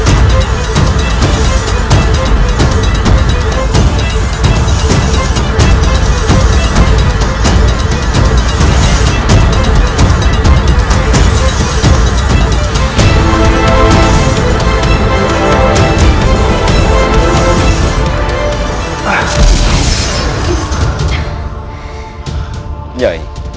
aku pasti akan membalasnya